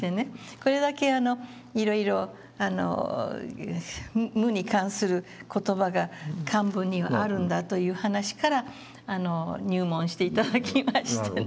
これだけいろいろ「無」に関する言葉が漢文にはあるんだという話から入門して頂きましてね。